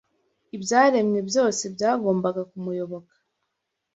ibyaremwe byose byagombaga kumuyoboka.